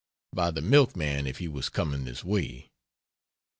By the milkman, if he was coming this way.